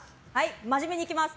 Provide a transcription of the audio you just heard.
真面目にいきます。